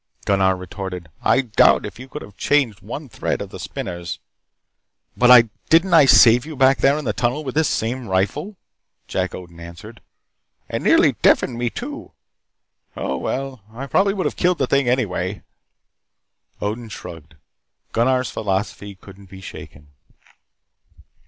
Gunnar retorted: "I doubt if you could have changed one thread of the Spinners " "But didn't I save you back there in the tunnel with this same rifle?" Jack Odin answered. "And nearly deafened me, too. Oh, well, I would probably have killed that thing anyway." Odin shrugged. Gunnar's philosophy couldn't be shaken.